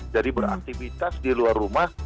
jadi beraktivitas di luar rumah